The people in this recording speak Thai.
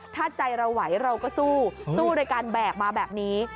ถ้าใจเราไหวเราก็สู้สู้โดยการแบกมาแบบนี้